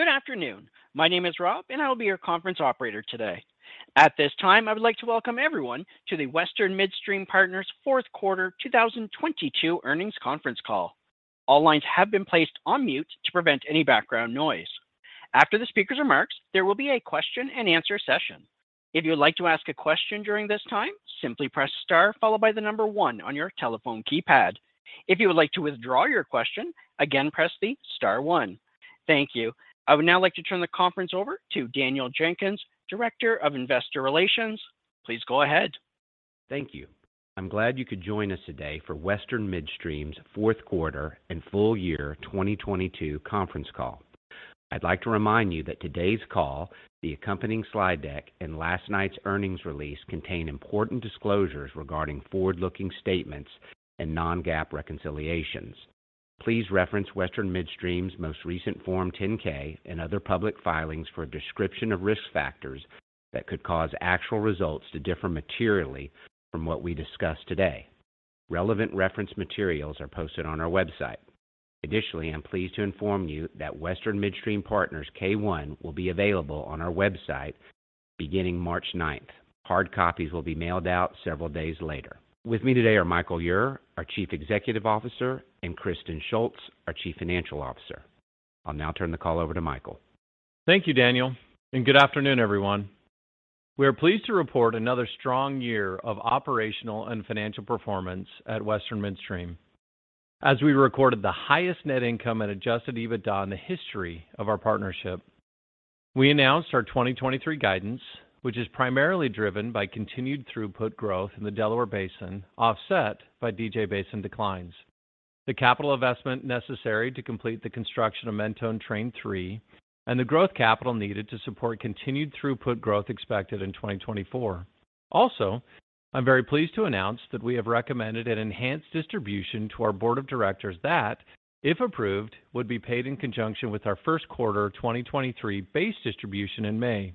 Good afternoon. My name is Rob. I will be your conference operator today. At this time, I would like to welcome everyone to the Western Midstream Partners fourth quarter 2022 earnings conference call. All lines have been placed on mute to prevent any background noise. After the speaker's remarks, there will be a question-and-answer session. If you would like to ask a question during this time, simply press star followed by one on your telephone keypad. If you would like to withdraw your question, again, press the star one. Thank you. I would now like to turn the conference over to Daniel Jenkins, Director of Investor Relations. Please go ahead. Thank you. I'm glad you could join us today for Western Midstream's fourth quarter and full year 2022 conference call. I'd like to remind you that today's call, the accompanying slide deck, and last night's earnings release contain important disclosures regarding forward-looking statements and non-GAAP reconciliations. Please reference Western Midstream's most recent Form 10-K and other public filings for a description of risk factors that could cause actual results to differ materially from what we discuss today. Relevant reference materials are posted on our website. Additionally, I'm pleased to inform you that Western Midstream Partners K-1 will be available on our website beginning March 9th. Hard copies will be mailed out several days later. With me today are Michael Ure, our Chief Executive Officer, and Kristen Shults, our Chief Financial Officer. I'll now turn the call over to Michael. Thank you, Daniel, and good afternoon, everyone. We are pleased to report another strong year of operational and financial performance at Western Midstream as we recorded the highest net income and adjusted EBITDA in the history of our partnership. We announced our 2023 guidance, which is primarily driven by continued throughput growth in the Delaware Basin, offset by DJ Basin declines. The capital investment necessary to complete the construction of Mentone Train III and the growth capital needed to support continued throughput growth expected in 2024. Also, I'm very pleased to announce that we have recommended an enhanced distribution to our board of directors that, if approved, would be paid in conjunction with our first quarter 2023 base distribution in May.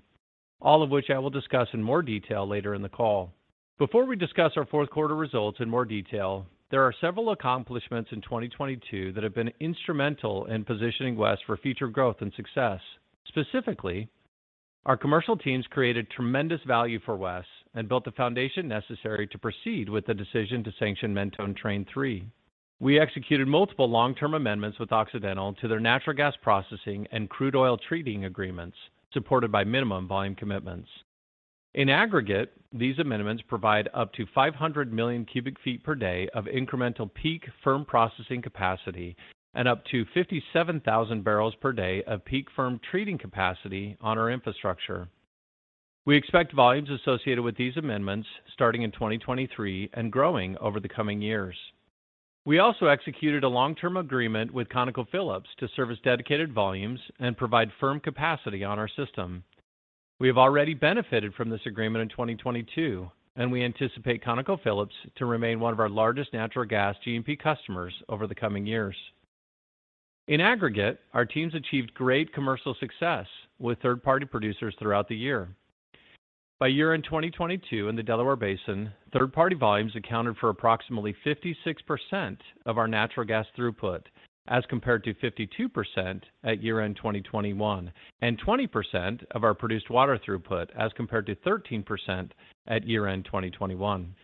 All of which I will discuss in more detail later in the call. Before we discuss our fourth quarter results in more detail, there are several accomplishments in 2022 that have been instrumental in positioning WES for future growth and success. Specifically, our commercial teams created tremendous value for WES and built the foundation necessary to proceed with the decision to sanction Mentone Train III. We executed multiple long-term amendments with Occidental to their natural gas processing and crude oil treating agreements, supported by minimum volume commitments. In aggregate, these amendments provide up to 500 million cu ft per day of incremental peak firm processing capacity and up to 57,000 bbl per day of peak firm treating capacity on our infrastructure. We expect volumes associated with these amendments starting in 2023 and growing over the coming years. We also executed a long-term agreement with ConocoPhillips to service dedicated volumes and provide firm capacity on our system. We have already benefited from this agreement in 2022 and we anticipate ConocoPhillips to remain one of our largest natural gas G&P customers over the coming years. In aggregate, our teams achieved great commercial success with third-party producers throughout the year. By year-end 2022 in the Delaware Basin, third-party volumes accounted for approximately 56% of our natural gas throughput as compared to 52% at year-end 2021 and 20% of our produced water throughput as compared to 13% at year-end 2021.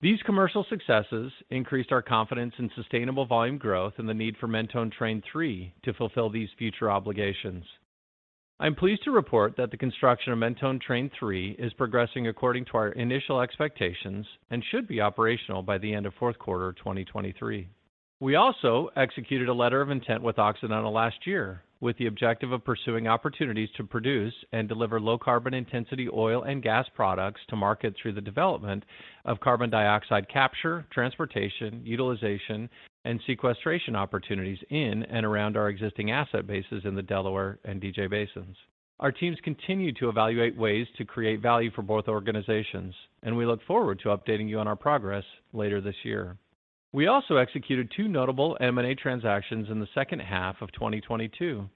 These commercial successes increased our confidence in sustainable volume growth and the need for Mentone Train III to fulfill these future obligations. I'm pleased to report that the construction of Mentone Train III is progressing according to our initial expectations and should be operational by the end of fourth quarter 2023. We also executed a letter of intent with Occidental last year with the objective of pursuing opportunities to produce and deliver low carbon intensity oil and gas products to market through the development of carbon dioxide capture, transportation, utilization, and sequestration opportunities in and around our existing asset bases in the Delaware and DJ Basins. Our teams continue to evaluate ways to create value for both organizations, and we look forward to updating you on our progress later this year. We also executed two notable M&A transactions in the second half of 2022.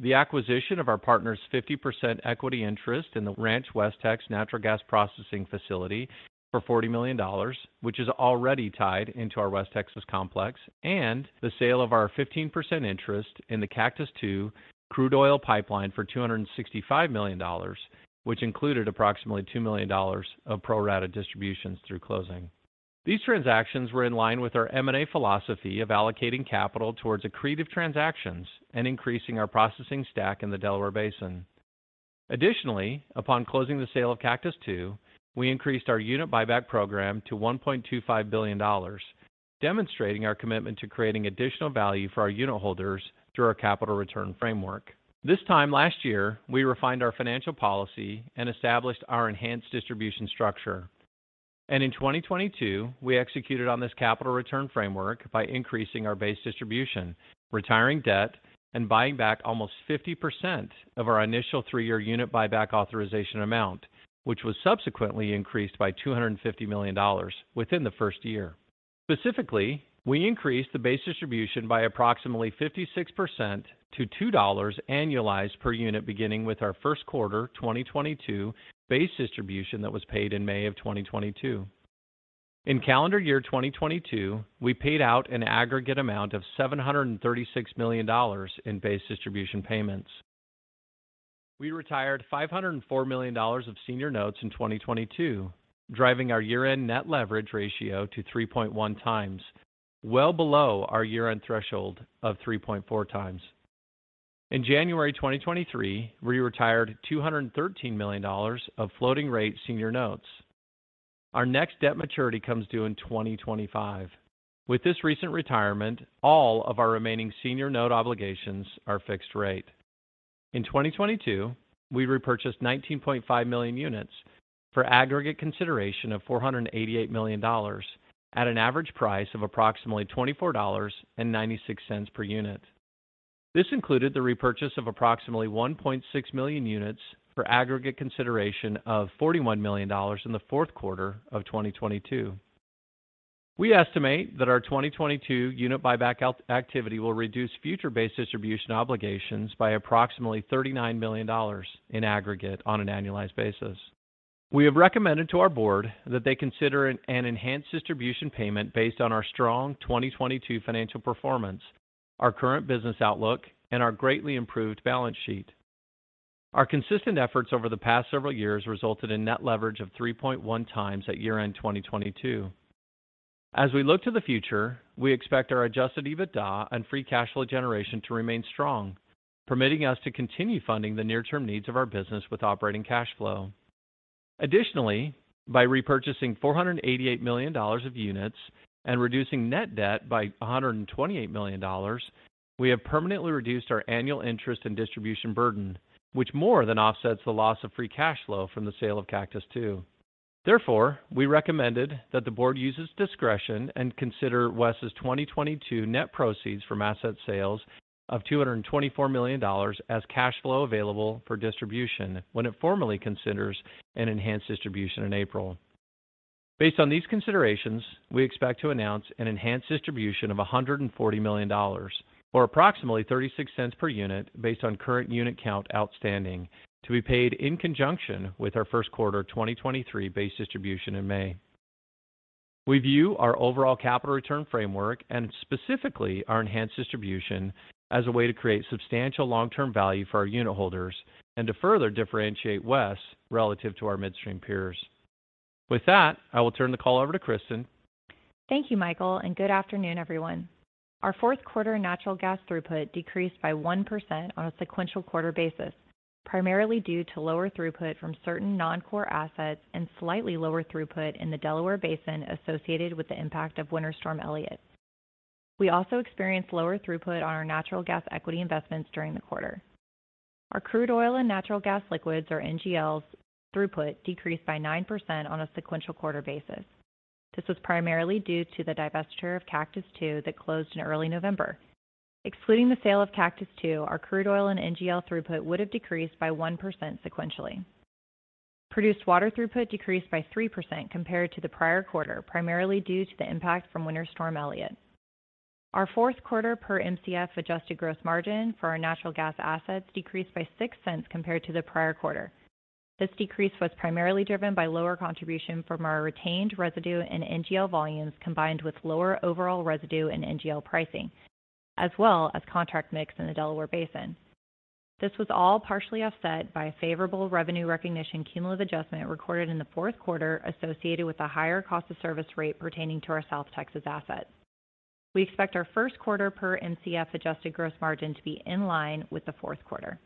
The acquisition of our partner's 50% equity interest in the Ranch Westex Natural Gas Processing Facility for $40 million, which is already tied into our West Texas complex, and the sale of our 15% interest in the Cactus II crude oil pipeline for $265 million, which included approximately $2 million of pro-rata distributions through closing. These transactions were in line with our M&A philosophy of allocating capital towards accretive transactions and increasing our processing stack in the Delaware Basin. Additionally, upon closing the sale of Cactus II, we increased our unit buyback program to $1.25 billion, demonstrating our commitment to creating additional value for our unitholders through our capital return framework. This time last year, we refined our financial policy and established our enhanced distribution structure. In 2022, we executed on this capital return framework by increasing our base distribution, retiring debt, and buying back almost 50% of our initial three-year unit buyback authorization amount, which was subsequently increased by $250 million within the first year. Specifically, we increased the base distribution by approximately 56% to $2 annualized per unit, beginning with our first quarter 2022 base distribution that was paid in May 2022. In calendar year 2022, we paid out an aggregate amount of $736 million in base distribution payments. We retired $504 million of senior notes in 2022, driving our year-end net leverage ratio to 3.1x, well below our year-end threshold of 3.4x. In January 2023, we retired $213 million of floating rate senior notes. Our next debt maturity comes due in 2025. With this recent retirement, all of our remaining senior note obligations are fixed rate. In 2022, we repurchased 19.5 million units for aggregate consideration of $488 million at an average price of approximately $24.96 per unit. This included the repurchase of approximately 1.6 million units for aggregate consideration of $41 million in the fourth quarter of 2022. We estimate that our 2022 unit buyback out-activity will reduce future base distribution obligations by approximately $39 million in aggregate on an annualized basis. We have recommended to our board that they consider an enhanced distribution payment based on our strong 2022 financial performance, our current business outlook, and our greatly improved balance sheet. Our consistent efforts over the past several years resulted in net leverage of 3.1x at year-end 2022. As we look to the future, we expect our adjusted EBITDA and free cash flow generation to remain strong, permitting us to continue funding the near-term needs of our business with operating cash flow. By repurchasing $488 million of units and reducing net debt by $128 million, we have permanently reduced our annual interest and distribution burden, which more than offsets the loss of free cash flow from the sale of Cactus II. Therefore, we recommended that the board use its discretion and consider WES's 2022 net proceeds from asset sales of $224 million as cash flow available for distribution when it formally considers an enhanced distribution in April. Based on these considerations, we expect to announce an enhanced distribution of $140 million, or approximately $0.36 per unit based on current unit count outstanding, to be paid in conjunction with our first quarter 2023 base distribution in May. We view our overall capital return framework, and specifically our enhanced distribution, as a way to create substantial long-term value for our unitholders and to further differentiate WES relative to our midstream peers. With that, I will turn the call over to Kristen. Thank you, Michael. Good afternoon, everyone. Our fourth quarter natural gas throughput decreased by 1% on a sequential quarter basis, primarily due to lower throughput from certain non-core assets and slightly lower throughput in the Delaware Basin associated with the impact of Winter Storm Elliott. We also experienced lower throughput on our natural gas equity investments during the quarter. Our crude oil and natural gas liquids, or NGLs, throughput decreased by 9% on a sequential quarter basis. This was primarily due to the divestiture of Cactus II that closed in early November. Excluding the sale of Cactus II, our crude oil and NGL throughput would have decreased by 1% sequentially. Produced water throughput decreased by 3% compared to the prior quarter, primarily due to the impact from Winter Storm Elliott. Our fourth quarter per Mcf adjusted gross margin for our natural gas assets decreased by $0.06 compared to the prior quarter. This decrease was primarily driven by lower contribution from our retained residue and NGL volumes, combined with lower overall residue and NGL pricing, as well as contract mix in the Delaware Basin. This was all partially offset by a favorable revenue recognition cumulative adjustment recorded in the fourth quarter associated with a higher cost of service rate pertaining to our South Texas assets. We expect our first quarter per Mcf adjusted gross margin to be in line with the fourth quarter.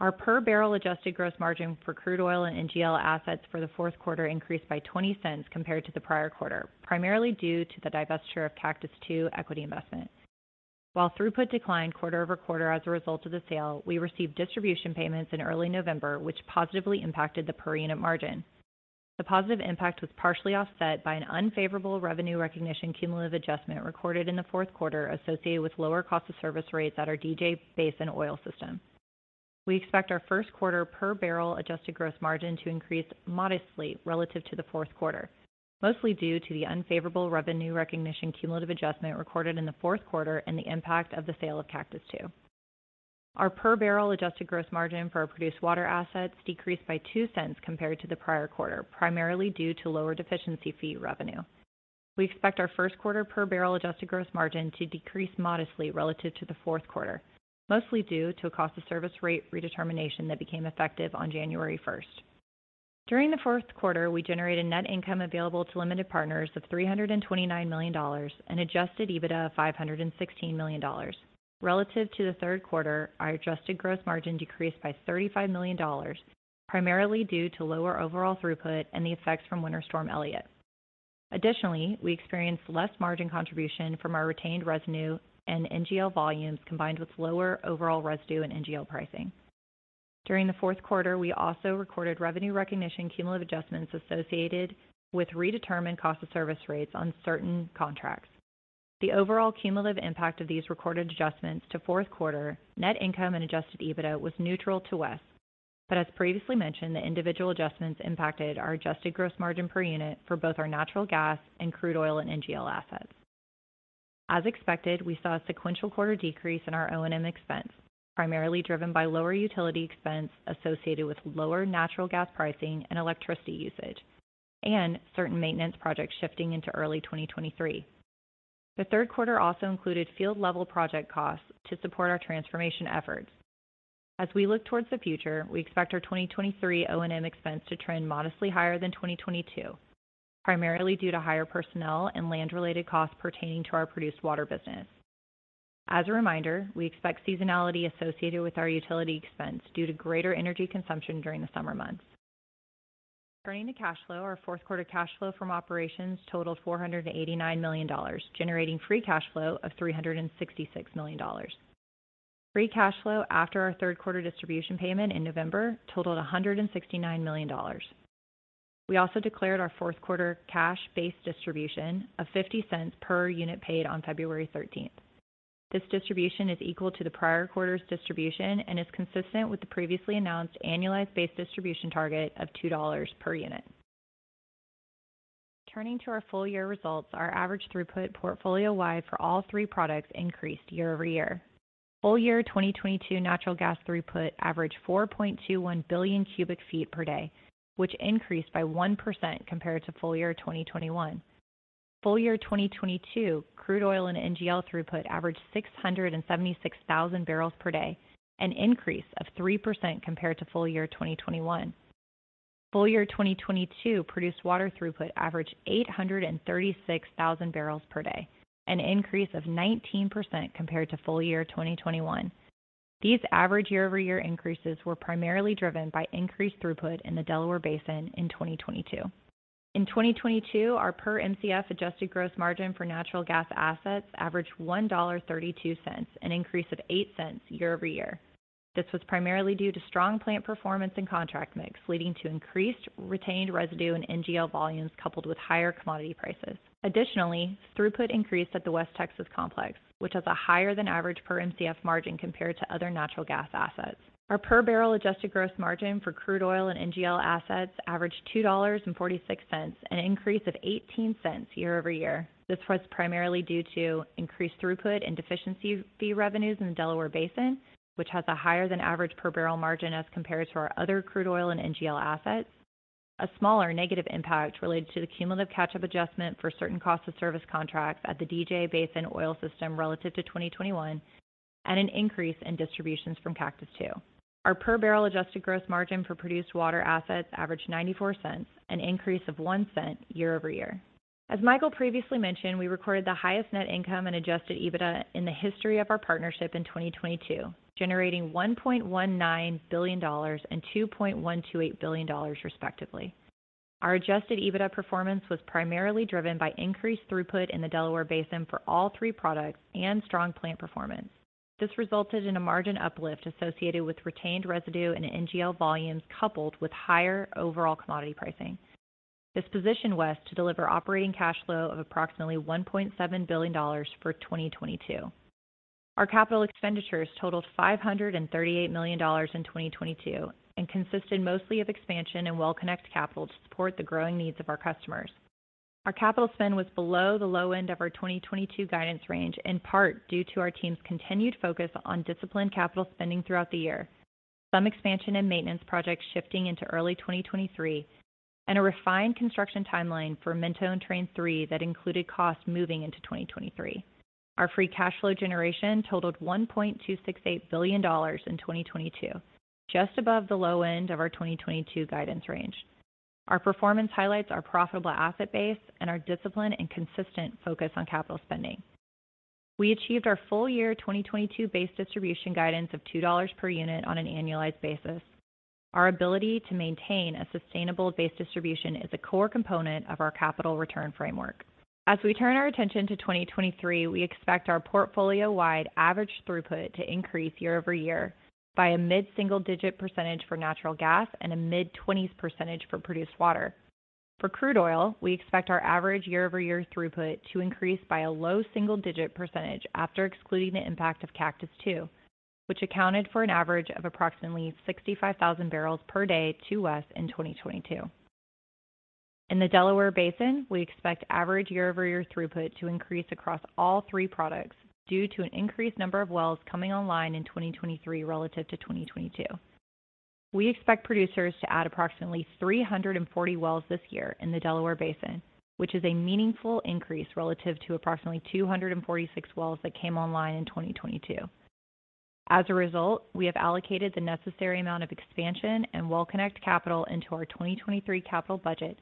Our per-barrel adjusted gross margin for crude oil and NGL assets for the fourth quarter increased by $0.20 compared to the prior quarter, primarily due to the divestiture of Cactus II equity investment. While throughput declined quarter-over-quarter as a result of the sale, we received distribution payments in early November, which positively impacted the per-unit margin. The positive impact was partially offset by an unfavorable revenue recognition cumulative adjustment recorded in the fourth quarter associated with lower cost of service rates at our DJ Basin oil system. We expect our first quarter per-barrel adjusted gross margin to increase modestly relative to the fourth quarter, mostly due to the unfavorable revenue recognition cumulative adjustment recorded in the fourth quarter and the impact of the sale of Cactus II. Our per-barrel adjusted gross margin for our produced water assets decreased by $0.02 compared to the prior quarter, primarily due to lower deficiency fee revenue. We expect our first quarter per-barrel adjusted gross margin to decrease modestly relative to the fourth quarter, mostly due to a cost of service rate redetermination that became effective on January 1st. During the fourth quarter, we generated net income available to limited partners of $329 million and adjusted EBITDA of $516 million. Relative to the third quarter, our adjusted gross margin decreased by $35 million, primarily due to lower overall throughput and the effects from Winter Storm Elliott. Additionally, we experienced less margin contribution from our retained residue and NGL volumes, combined with lower overall residue and NGL pricing. During the fourth quarter, we also recorded revenue recognition cumulative adjustments associated with redetermined cost of service rates on certain contracts. The overall cumulative impact of these recorded adjustments to fourth quarter net income and adjusted EBITDA was neutral to WES, but as previously mentioned, the individual adjustments impacted our adjusted gross margin per unit for both our natural gas and crude oil and NGL assets. As expected, we saw a sequential quarter decrease in our O&M expense, primarily driven by lower utility expense associated with lower natural gas pricing and electricity usage and certain maintenance projects shifting into early 2023. The third quarter also included field level project costs to support our transformation efforts. As we look towards the future, we expect our 2023 O&M expense to trend modestly higher than 2022, primarily due to higher personnel and land related costs pertaining to our produced water business. As a reminder, we expect seasonality associated with our utility expense due to greater energy consumption during the summer months. Turning to cash flow, our fourth quarter cash flow from operations totaled $489 million, generating free cash flow of $366 million. Free cash flow after our third quarter distribution payment in November totaled $169 million. We also declared our fourth quarter cash base distribution of $0.50 per unit paid on February 13th. This distribution is equal to the prior quarter's distribution and is consistent with the previously announced annualized base distribution target of $2 per unit. Turning to our full year results, our average throughput portfolio wide for all three products increased year-over-year. Full year 2022 natural gas throughput averaged 4.21 billion cu ft per day, which increased by 1% compared to full year 2021. Full year 2022 crude oil and NGLs throughput averaged 676,000 bbl per day, an increase of 3% compared to full year 2021. Full year 2022 produced water throughput averaged 836,000 bbl per day, an increase of 19% compared to full year 2021. These average year-over-year increases were primarily driven by increased throughput in the Delaware Basin in 2022. In 2022, our per Mcf adjusted gross margin for natural gas assets averaged $1.32, an increase of $0.08 year-over-year. This was primarily due to strong plant performance and contract mix leading to increased retained residue in NGLs volumes coupled with higher commodity prices. Throughput increased at the West Texas complex, which has a higher than average per Mcf margin compared to other natural gas assets. Our per barrel adjusted gross margin for crude oil and NGL assets averaged $2.46, an increase of $0.18 year-over-year. This was primarily due to increased throughput and deficiency fee revenues in the Delaware Basin, which has a higher than average per barrel margin as compared to our other crude oil and NGL assets. A smaller negative impact related to the cumulative catch up adjustment for certain cost of service contracts at the DJ Basin oil system relative to 2021 and an increase in distributions from Cactus II. Our per barrel adjusted gross margin for produced water assets averaged $0.94, an increase of $0.01 year-over-year. As Michael previously mentioned, we recorded the highest net income and adjusted EBITDA in the history of our partnership in 2022, generating $1.19 billion and $2.128 billion respectively. Our adjusted EBITDA performance was primarily driven by increased throughput in the Delaware Basin for all three products and strong plant performance. This resulted in a margin uplift associated with retained residue in NGL volumes, coupled with higher overall commodity pricing. This positioned WES to deliver operating cash flow of approximately $1.7 billion for 2022. Our capital expenditures totaled $538 million in 2022 and consisted mostly of expansion and well connect capital to support the growing needs of our customers. Our capital spend was below the low end of our 2022 guidance range, in part due to our team's continued focus on disciplined capital spending throughout the year. Some expansion and maintenance projects shifting into early 2023 and a refined construction timeline for Mentone Train III that included costs moving into 2023. Our free cash flow generation totaled $1.268 billion in 2022, just above the low end of our 2022 guidance range. Our performance highlights our profitable asset base and our discipline and consistent focus on capital spending. We achieved our full year 2022 base distribution guidance of $2 per unit on an annualized basis. Our ability to maintain a sustainable base distribution is a core component of our capital return framework. As we turn our attention to 2023, we expect our portfolio wide average throughput to increase year-over-year by a mid-single digit percentage for natural gas and a mid-20s percentage for produced water. For crude oil, we expect our average year-over-year throughput to increase by a low single digit percentage after excluding the impact of Cactus II, which accounted for an average of approximately 65,000 bbl per day to WES in 2022. In the Delaware Basin, we expect average year-over-year throughput to increase across all three products due to an increased number of wells coming online in 2023 relative to 2022. We expect producers to add approximately 340 wells this year in the Delaware Basin, which is a meaningful increase relative to approximately 246 wells that came online in 2022. We have allocated the necessary amount of expansion and well connect capital into our 2023 capital budget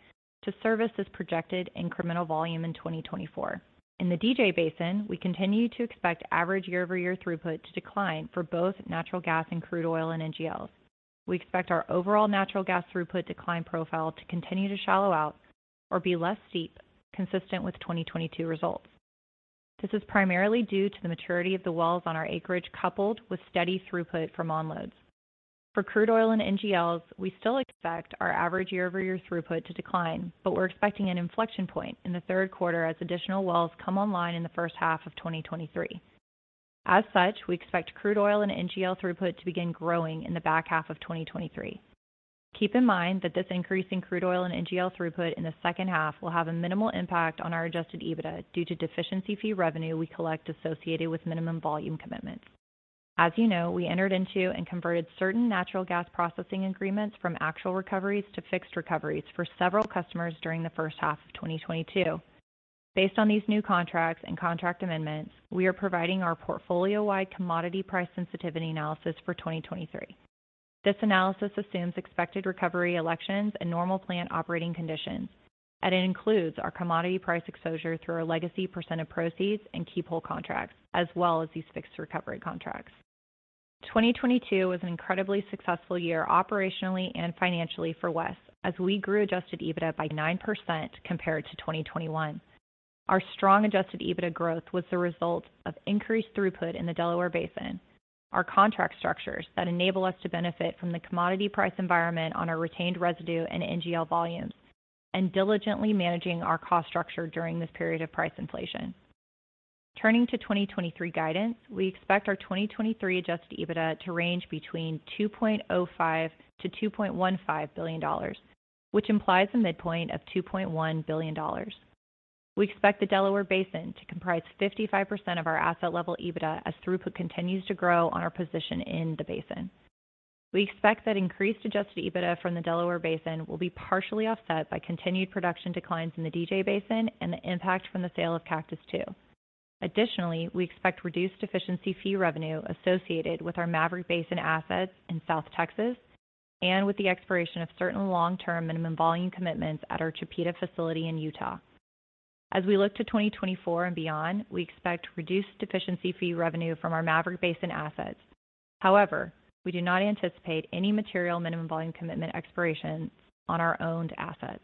to service this projected incremental volume in 2024. In the DJ Basin, we continue to expect average year-over-year throughput to decline for both natural gas and crude oil and NGLs. We expect our overall natural gas throughput decline profile to continue to shallow out or be less steep, consistent with 2022 results. This is primarily due to the maturity of the wells on our acreage, coupled with steady throughput from onloads. For crude oil and NGLs, we still expect our average year-over-year throughput to decline, but we're expecting an inflection point in the third quarter as additional wells come online in the first half of 2023. As such, we expect crude oil and NGL throughput to begin growing in the back half of 2023. Keep in mind that this increase in crude oil and NGL throughput in the second half will have a minimal impact on our adjusted EBITDA due to deficiency fee revenue we collect associated with minimum volume commitments. As you know, we entered into and converted certain natural gas processing agreements from actual recoveries to fixed recoveries for several customers during the first half of 2022. Based on these new contracts and contract amendments, we are providing our portfolio-wide commodity price sensitivity analysis for 2023. This analysis assumes expected recovery elections and normal plant operating conditions, it includes our commodity price exposure through our legacy percent of proceeds and keep whole contracts, as well as these fixed recovery contracts. 2022 was an incredibly successful year operationally and financially for WES as we grew adjusted EBITDA by 9% compared to 2021. Our strong adjusted EBITDA growth was the result of increased throughput in the Delaware Basin, our contract structures that enable us to benefit from the commodity price environment on our retained residue and NGLs volumes, and diligently managing our cost structure during this period of price inflation. Turning to 2023 guidance, we expect our 2023 adjusted EBITDA to range between $2.05 billion-$2.15 billion, which implies a midpoint of $2.1 billion. We expect the Delaware Basin to comprise 55% of our asset level EBITDA as throughput continues to grow on our position in the basin. We expect that increased adjusted EBITDA from the Delaware Basin will be partially offset by continued production declines in the DJ Basin and the impact from the sale of Cactus II. We expect reduced deficiency fee revenue associated with our Maverick Basin assets in South Texas and with the expiration of certain long-term minimum volume commitments at our Chipeta facility in Utah. As we look to 2024 and beyond, we expect reduced deficiency fee revenue from our Maverick Basin assets. However, we do not anticipate any material minimum volume commitment expirations on our owned assets.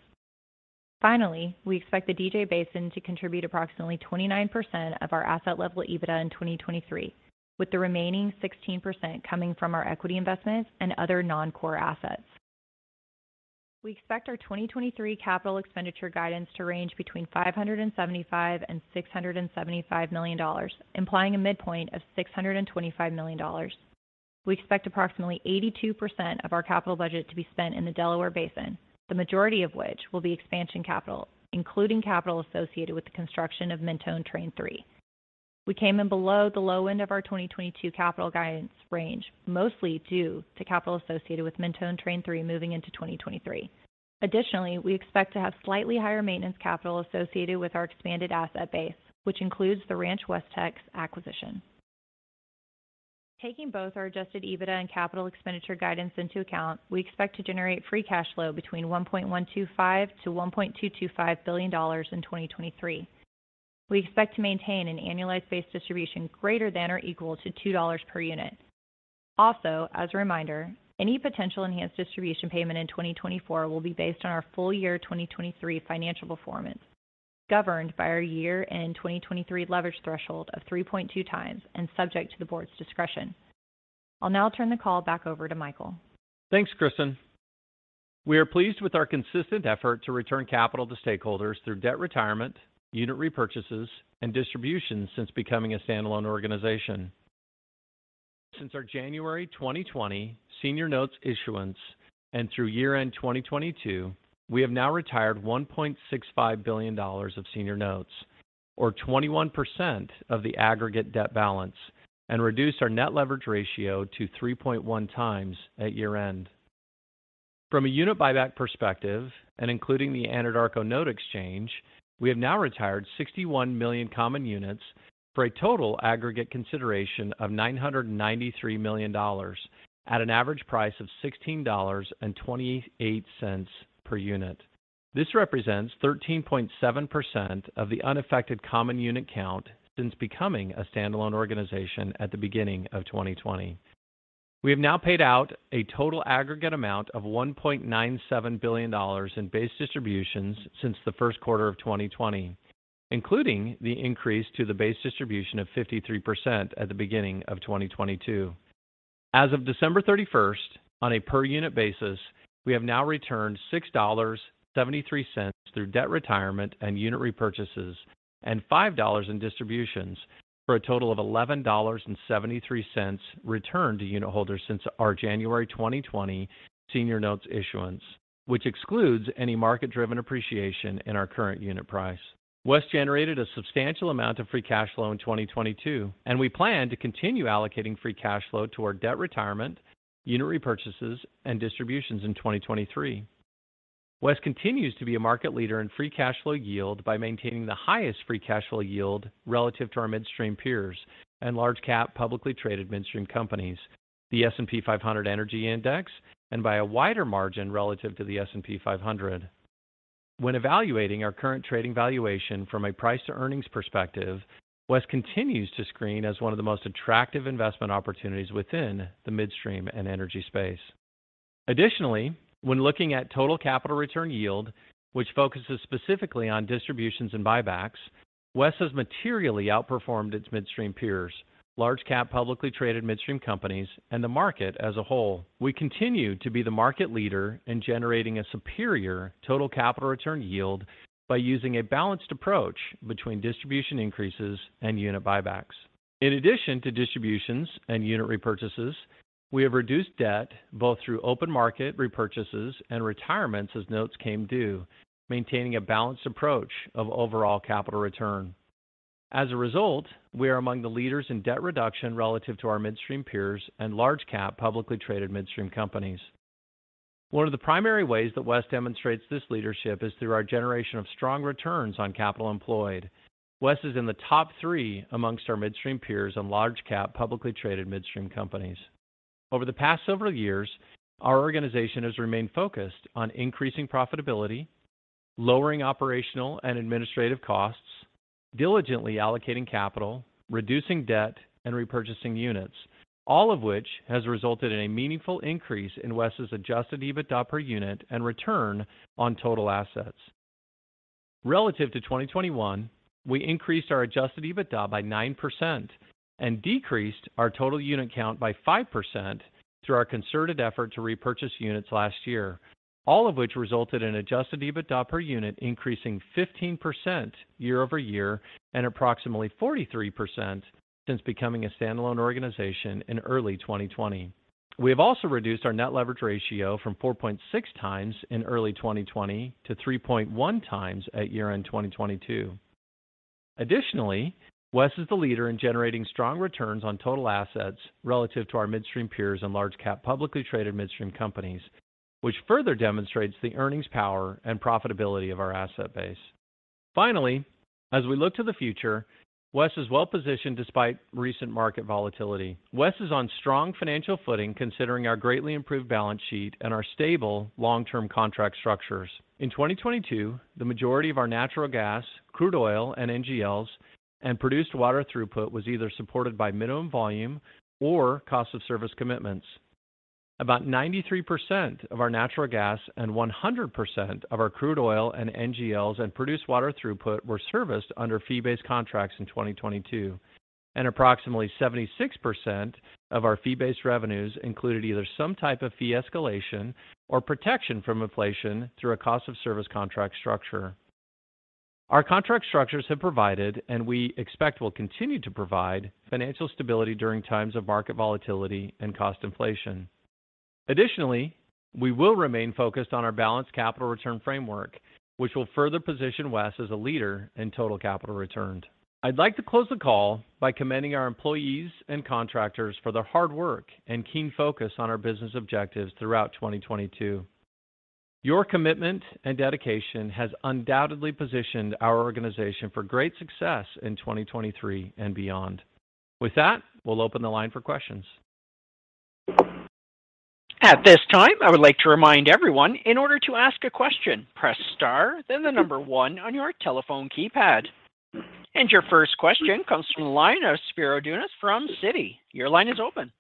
We expect the DJ Basin to contribute approximately 29% of our asset level EBITDA in 2023, with the remaining 16% coming from our equity investments and other non-core assets. We expect our 2023 capital expenditure guidance to range between $575 million and $675 million, implying a midpoint of $625 million. We expect approximately 82% of our capital budget to be spent in the Delaware Basin, the majority of which will be expansion capital, including capital associated with the construction of Mentone Train III. We came in below the low end of our 2022 capital guidance range, mostly due to capital associated with Mentone Train III moving into 2023. We expect to have slightly higher maintenance capital associated with our expanded asset base, which includes the Ranch Westex acquisition. Taking both our adjusted EBITDA and capital expenditure guidance into account, we expect to generate free cash flow between $1.125 billion-$1.225 billion in 2023. We expect to maintain an annualized base distribution greater than or equal to $2 per unit. Also, as a reminder, any potential enhanced distribution payment in 2024 will be based on our full year 2023 financial performance, governed by our year-end 2023 leverage threshold of 3.2x and subject to the board's discretion. I'll now turn the call back over to Michael. Thanks, Kristen. We are pleased with our consistent effort to return capital to stakeholders through debt retirement, unit repurchases, and distributions since becoming a standalone organization. Since our January 2020 senior notes issuance and through year-end 2022, we have now retired $1.65 billion of senior notes or 21% of the aggregate debt balance and reduced our net leverage ratio to 3.1x at year-end. From a unit buyback perspective, and including the Anadarko note exchange, we have now retired 61 million common units for a total aggregate consideration of $993 million at an average price of $16.28 per unit. This represents 13.7% of the unaffected common unit count since becoming a standalone organization at the beginning of 2020. We have now paid out a total aggregate amount of $1.97 billion in base distributions since the first quarter of 2020, including the increase to the base distribution of 53% at the beginning of 2022. As of December 31st, on a per unit basis, we have now returned $6.73 through debt retirement and unit repurchases and $5 in distributions for a total of $11.73 returned to unitholders since our January 2020 senior notes issuance, which excludes any market-driven appreciation in our current unit price. WES generated a substantial amount of free cash flow in 2022. We plan to continue allocating free cash flow toward debt retirement, unit repurchases, and distributions in 2023. Western Midstream continues to be a market leader in free cash flow yield by maintaining the highest free cash flow yield relative to our midstream peers and large-cap publicly traded midstream companies, the S&P 500 Energy Index, and by a wider margin relative to the S&P 500. When evaluating our current trading valuation from a price-to-earnings perspective, Western Midstream continues to screen as one of the most attractive investment opportunities within the midstream and energy space. Additionally, when looking at total capital return yield, which focuses specifically on distributions and buybacks, Western Midstream has materially outperformed its midstream peers, large-cap publicly traded midstream companies, and the market as a whole. We continue to be the market leader in generating a superior total capital return yield by using a balanced approach between distribution increases and unit buybacks. In addition to distributions and unit repurchases, we have reduced debt both through open market repurchases and retirements as notes came due, maintaining a balanced approach of overall capital return. As a result, we are among the leaders in debt reduction relative to our midstream peers and large cap publicly traded midstream companies. One of the primary ways that WES demonstrates this leadership is through our generation of strong returns on capital employed. WES is in the top three amongst our midstream peers and large cap publicly traded midstream companies. Over the past several years, our organization has remained focused on increasing profitability, lowering operational and administrative costs, diligently allocating capital, reducing debt, and repurchasing units, all of which has resulted in a meaningful increase in WES's adjusted EBITDA per unit and return on total assets. Relative to 2021, we increased our adjusted EBITDA by 9% and decreased our total unit count by 5% through our concerted effort to repurchase units last year. All of which resulted in adjusted EBITDA per unit increasing 15% year-over-year and approximately 43% since becoming a standalone organization in early 2020. We have also reduced our net leverage ratio from 4.6x in early 2020 to 3.1x at year-end 2022. Additionally, WES is the leader in generating strong returns on total assets relative to our midstream peers and large-cap publicly traded midstream companies, which further demonstrates the earnings power and profitability of our asset base. Finally, as we look to the future, WES is well-positioned despite recent market volatility. WES is on strong financial footing considering our greatly improved balance sheet and our stable long-term contract structures. In 2022, the majority of our natural gas, crude oil, and NGLs and produced water throughput was either supported by minimum volume or cost of service commitments. About 93% of our natural gas and 100% of our crude oil and NGLs and produced water throughput were serviced under fee-based contracts in 2022, and approximately 76% of our fee-based revenues included either some type of fee escalation or protection from inflation through a cost of service contract structure. Our contract structures have provided, and we expect will continue to provide, financial stability duringx of market volatility and cost inflation. Additionally, we will remain focused on our balanced capital return framework, which will further position WES as a leader in total capital returned. I'd like to close the call by commending our employees and contractors for their hard work and keen focus on our business objectives throughout 2022. Your commitment and dedication has undoubtedly positioned our organization for great success in 2023 and beyond. With that, we'll open the line for questions. At this time, I would like to remind everyone, in order to ask a question, press star then the number ONE on your telephone keypad. Your first question comes from the line of Spiro Dounis from Citi. Your line is open.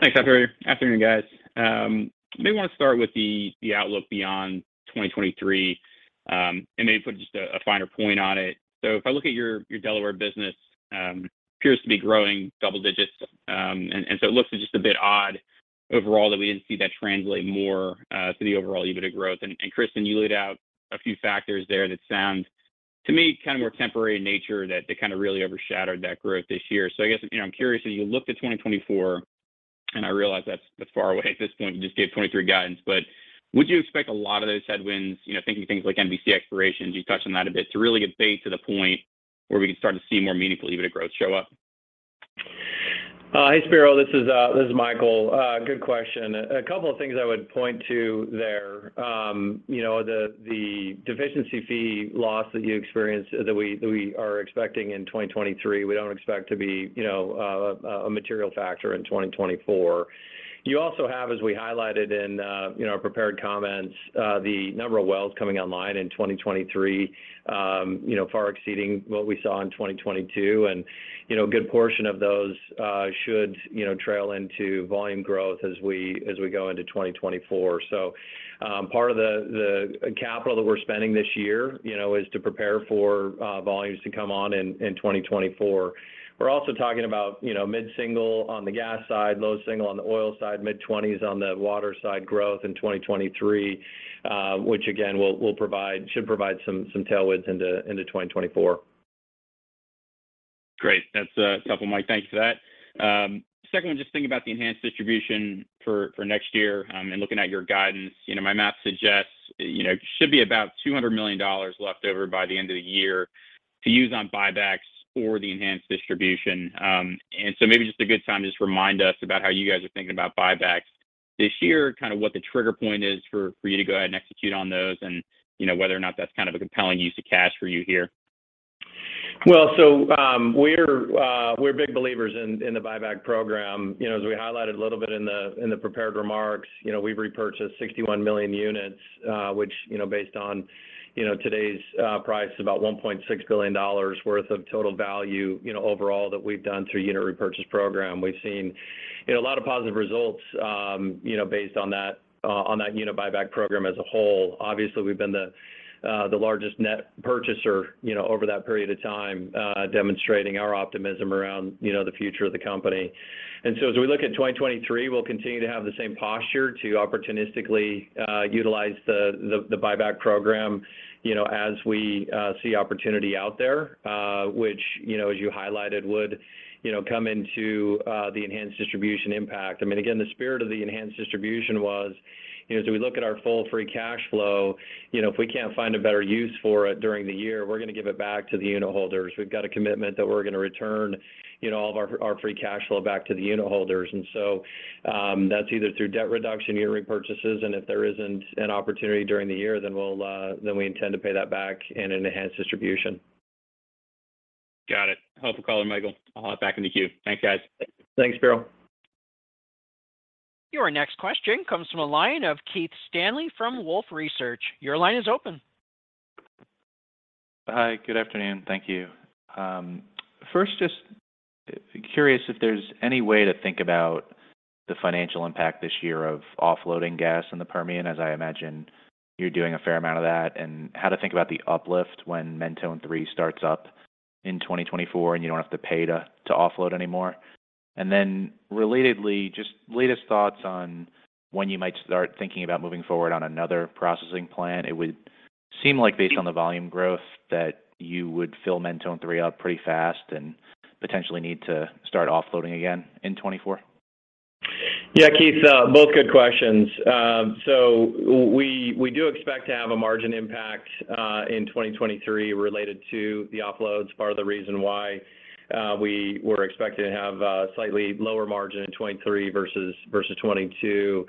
Thanks. Afternoon, guys. Maybe want to start with the outlook beyond 2023, and maybe put just a finer point on it. If I look at your Delaware business, appears to be growing double digits. So it looks just a bit odd overall that we didn't see that translate more to the overall EBITDA growth. Kristen, you laid out a few factors there that sound, to me, kind of more temporary in nature that they kind of really overshadowed that growth this year. I guess, you know, I'm curious, as you look to 2024, and I realize that's far away at this point, you just gave 2023 guidance, but would you expect a lot of those headwinds, you know, thinking things like MVC expirations, you touched on that a bit, to really get fade to the point where we can start to see more meaningful EBITDA growth show up? Hey, Spiro. This is Michael. Good question. A couple of things I would point to there. You know, the deficiency fee loss that you experienced that we are expecting in 2023, we don't expect to be a material factor in 2024. You also have, as we highlighted in, you know, our prepared comments, the number of wells coming online in 2023, you know, far exceeding what we saw in 2022. You know, a good portion of those should, you know, trail into volume growth as we go into 2024. Part of the capital that we're spending this year, you know, is to prepare for volumes to come on in 2024. We're also talking about, you know, mid-single on the gas side, low single on the oil side, mid-20s on the water side growth in 2023, which again, should provide some tailwinds into 2024. Great. That's helpful, Mike. Thank you for that. Secondly, just thinking about the enhanced distribution for next year, and looking at your guidance. You know, my math suggests, you know, should be about $200 million left over by the end of the year to use on buybacks for the enhanced distribution. Maybe just a good time to just remind us about how you guys are thinking about buybacks this year, kind of what the trigger point is for you to go ahead and execute on those and, you know, whether or not that's kind of a compelling use of cash for you here. We're big believers in the buyback program. You know, as we highlighted a little bit in the prepared remarks, you know, we've repurchased 61 million units, which, you know, based on today's price, about $1.6 billion worth of total value, you know, overall that we've done through unit repurchase program. We've seen, you know, a lot of positive results, you know, based on that unit buyback program as a whole. Obviously, we've been the largest net purchaser, you know, over that period of time, demonstrating our optimism around, you know, the future of the company. As we look at 2023, we'll continue to have the same posture to opportunistically utilize the buyback program, you know, as we see opportunity out there, which, you know, as you highlighted, would, you know, come into the enhanced distribution impact. I mean, again, the spirit of the enhanced distribution was, you know, as we look at our full free cash flow, you know, if we can't find a better use for it during the year, we're going to give it back to the unit holders. We've got a commitment that we're going to return, you know, all of our free cash flow back to the unit holders. That's either through debt reduction, unit repurchases, and if there isn't an opportunity during the year, then we'll then we intend to pay that back in an enhanced distribution. Got it. Helpful color, Michael. I'll hop back in the queue. Thanks, guys. Thanks, Spiro. Your next question comes from a line of Keith Stanley from Wolfe Research. Your line is open. Hi, good afternoon. Thank you. First, just curious if there's any way to think about the financial impact this year of offloading gas in the Permian, as I imagine you're doing a fair amount of that, and how to think about the uplift when Mentone III starts up in 2024, and you don't have to pay to offload anymore. Relatedly, just latest thoughts on when you might start thinking about moving forward on another processing plant. It would seem like based on the volume growth that you would fill Mentone III up pretty fast and potentially need to start offloading again in 2024. Yeah. Keith, both good questions. We do expect to have a margin impact in 2023 related to the offloads. Part of the reason why we were expected to have a slightly lower margin in 2023 versus 2022.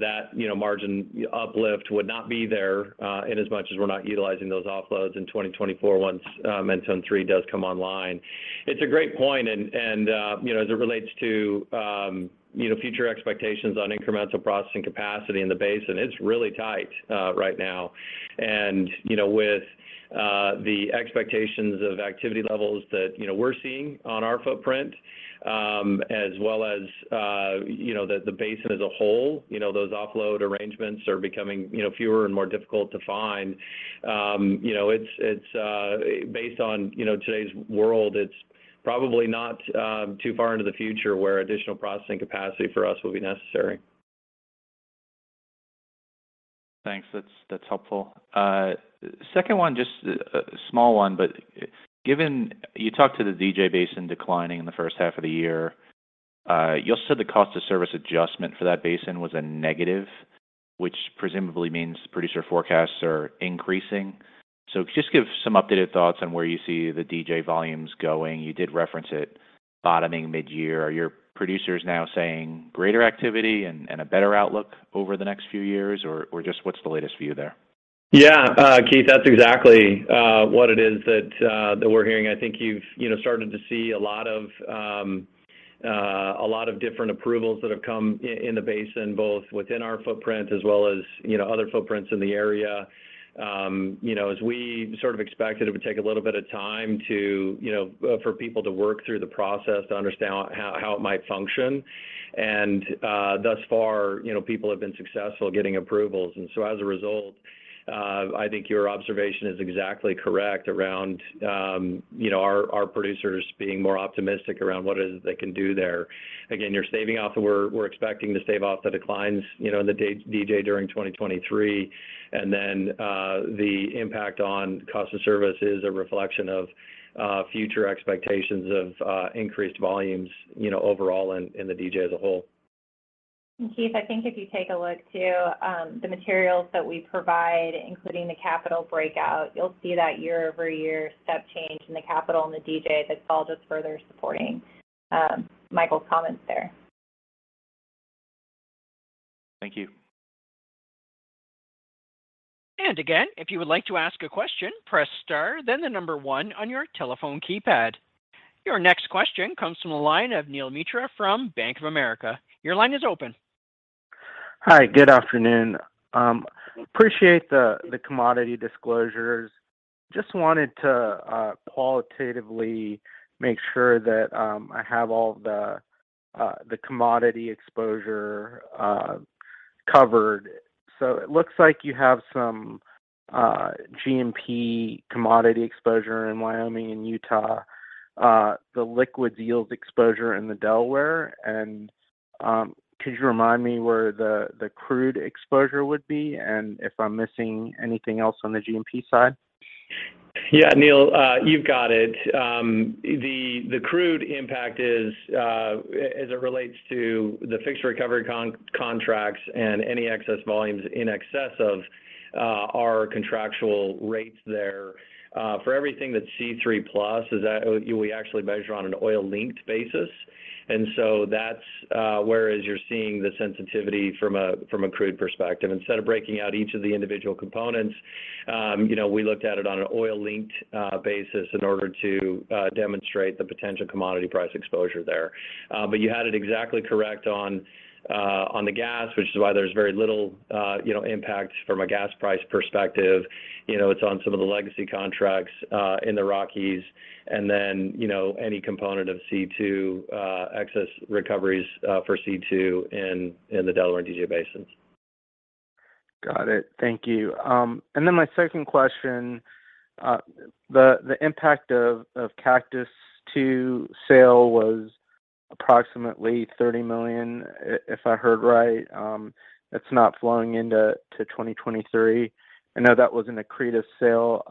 That, you know, margin uplift would not be there in as much as we're not utilizing those offloads in 2024 once Mentone III does come online. It's a great point and, you know, as it relates to, you know, future expectations on incremental processing capacity in the basin, it's really tight right now. You know, with the expectations of activity levels that, you know, we're seeing on our footprint, as well as, you know, the basin as a whole, you know, those offload arrangements are becoming, you know, fewer and more difficult to find. You know, it's based on, you know, today's world, it's probably not too far into the future where additional processing capacity for us will be necessary. Thanks. That's helpful. Second one, just a small one, but given you talked to the DJ Basin declining in the first half of the year, you also said the cost of service adjustment for that basin was a negative, which presumably means producer forecasts are increasing. Just give some updated thoughts on where you see the DJ volumes going. You did reference it bottoming mid-year. Are your producers now saying greater activity and a better outlook over the next few years? Or just what's the latest view there? Yeah. Keith, that's exactly what it is that we're hearing. I think you've, you know, started to see a lot of different approvals that have come in the basin, both within our footprint as well as, you know, other footprints in the area. You know, as we sort of expected, it would take a little bit of time to, you know, for people to work through the process to understand how it might function. Thus far, you know, people have been successful getting approvals. As a result, I think your observation is exactly correct around, you know, our producers being more optimistic around what it is that they can do there. Again, you're saving off we're expecting to save off the declines, you know, in the DJ during 2023. Then, the impact on cost of service is a reflection of future expectations of increased volumes, you know, overall in the DJ as a whole. Keith, I think if you take a look, too, the materials that we provide, including the capital breakout, you'll see that year-over-year step change in the capital in the DJ that's all just further supporting Michael's comments there. Thank you. Again, if you would like to ask a question, press star, then one on your telephone keypad. Your next question comes from the line of Neel Mitra from Bank of America. Your line is open. Hi, good afternoon. appreciate the commodity disclosures. Just wanted to qualitatively make sure that I have all the commodity exposure covered. It looks like you have some G&P commodity exposure in Wyoming and Utah, the liquids yields exposure in the Delaware. Could you remind me where the crude exposure would be, and if I'm missing anything else on the G&P side? Yeah, Neel, you've got it. The crude impact is as it relates to the fixed recovery contracts and any excess volumes in excess of our contractual rates there. For everything that's C3+ is that we actually measure on an oil-linked basis. That's whereas you're seeing the sensitivity from a crude perspective. Instead of breaking out each of the individual components, you know, we looked at it on an oil-linked basis in order to demonstrate the potential commodity price exposure there. But you had it exactly correct on the gas, which is why there's very little, you know, impact from a gas price perspective. You know, it's on some of the legacy contracts in the Rockies. You know, any component of C2, excess recoveries, for C2 in the Delaware and DJ basins. Got it. Thank you. My second question. The impact of Cactus II sale was approximately $30 million, if I heard right. That's not flowing into 2023. I know that was an accretive sale.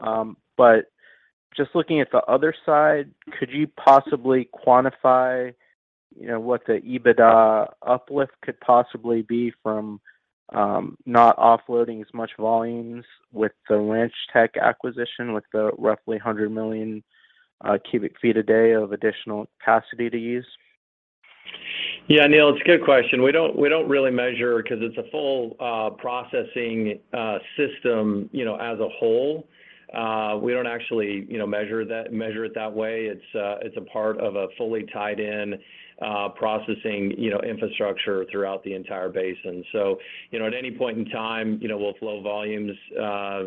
Just looking at the other side, could you possibly quantify, you know, what the EBITDA uplift could possibly be from, not offloading as much volumes with the Ranch Westex acquisition, with the roughly 100 million cu ft a day of additional capacity to use? Yeah, Neel, it's a good question. We don't really measure because it's a full processing system, you know, as a whole. We don't actually, you know, measure it that way. It's a part of a fully tied in processing, you know, infrastructure throughout the entire basin. you know, at any point in time, you know, we'll flow volumes,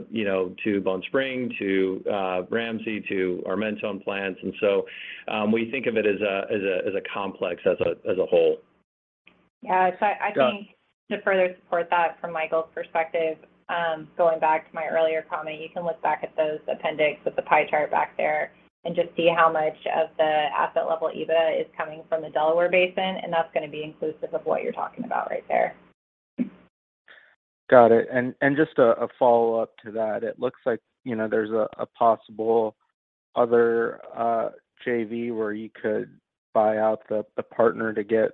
you know, to Bone Spring, to Ramsey, to our Mentone plants. We think of it as a complex, as a whole. Yeah. I- Yeah. -to further support that from Michael's perspective, going back to my earlier comment, you can look back at those appendix with the pie chart back there and just see how much of the asset level EBITDA is coming from the Delaware Basin, and that's going to be inclusive of what you're talking about right there. Got it. Just a follow-up to that. It looks like, you know, there's a possible other JV where you could buy out the partner to get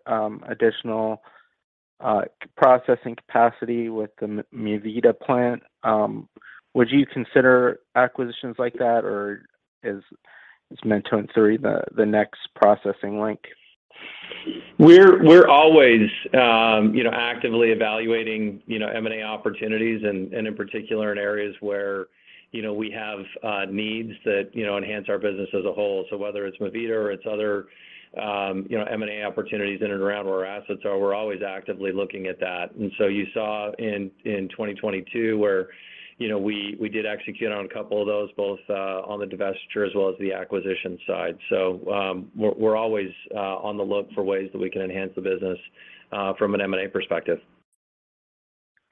additional processing capacity with the Mi Vida plant. Would you consider acquisitions like that, or is Mentone III the next processing link? We're always, you know, actively evaluating, you know, M&A opportunities and in particular in areas where, you know, we have needs that, you know, enhance our business as a whole. Whether it's Mi Vida or it's other, you know, M&A opportunities in and around where our assets are, we're always actively looking at that. You saw in 2022 where, you know, we did execute on a couple of those, both on the divestiture as well as the acquisition side. We're always on the look for ways that we can enhance the business from an M&A perspective.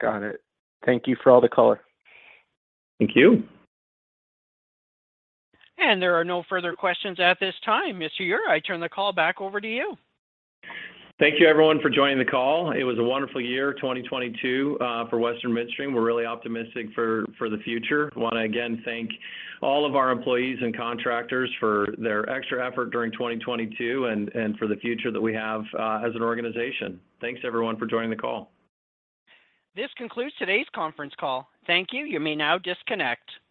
Got it. Thank you for all the color. Thank you. There are no further questions at this time. Mr. Ure, I turn the call back over to you. Thank you everyone for joining the call. It was a wonderful year 2022 for Western Midstream. We're really optimistic for the future. want to again thank all of our employees and contractors for their extra effort during 2022 and for the future that we have as an organization. Thanks everyone for joining the call. This concludes today's conference call. Thank you. You may now disconnect.